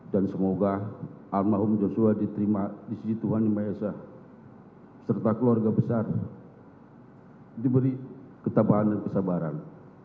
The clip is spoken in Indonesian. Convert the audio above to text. dan semoga alma um josua diterima di sisi tuhan yang maha esa serta keluarga besar diberi ketabahan dan kesabaran